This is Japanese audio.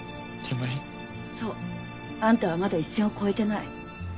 そう。あんたはまだ一線を越えてない。